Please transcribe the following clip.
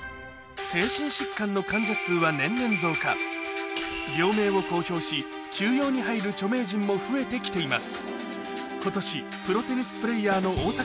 精神疾患の患者数は年々増加病名を公表し休養に入る著名人も増えて来ています